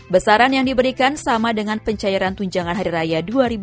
besaran yang diberikan sama dengan pencairan tunjangan hari raya dua ribu dua puluh